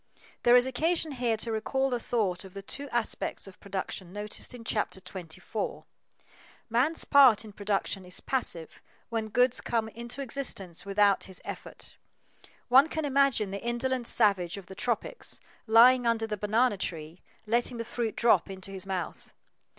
There is occasion here to recall the thought of the two aspects of production noticed in Chapter 24. Man's part in production is passive when goods come into existence without his effort. One can imagine the indolent savage of the tropics, lying under the banana tree, letting the fruit drop into his mouth.